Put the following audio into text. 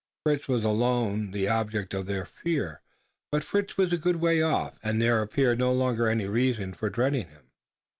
Fritz was alone the object of their fear, but Fritz was a good way off, and there appeared no longer any reason for dreading him.